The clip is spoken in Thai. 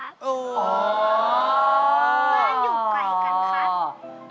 อ๋อบ้านอยู่ไกลกันครับ